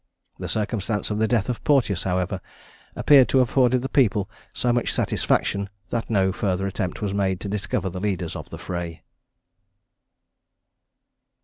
The circumstance of the death of Porteous, however, appeared to have afforded the people so much satisfaction, that no further attempt was made to discover the leaders of the fray.